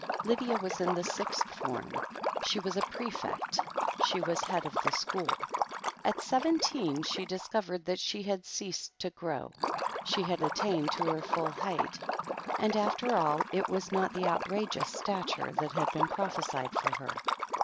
Lydia was in the sixth form — she was a prefect — she was Head of the School. At seventeen she discovered that she had ceased to grow. She had attained to her full height, and after all, it was not the outrageous stature that had been prophesied for her.